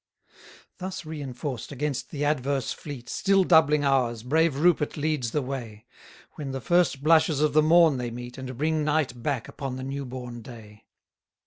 119 Thus reinforced, against the adverse fleet, Still doubling ours, brave Rupert leads the way: With the first blushes of the morn they meet, And bring night back upon the new born day.